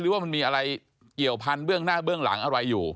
ว่ามันมีอะไรเกี่ยวพันธเบื้องหน้าเบื้องหลังอะไรอยู่